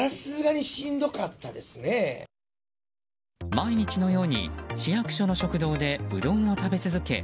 毎日のように市役所の食堂でうどんを食べ続け